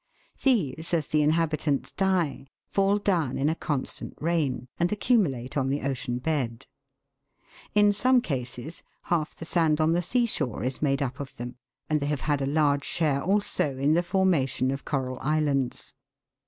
These, as the inhabitants die, fall down in a constant rain, and accumulate on the ocean bed. In some cases, half the sand on the sea shore is made up of them, and they have had a large share also in the formation of coral islands.